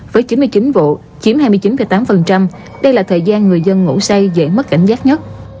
với chín mươi chín vụ chiếm hai mươi chín tám đây là thời gian người dân ngủ say dễ mất cảnh giác nhất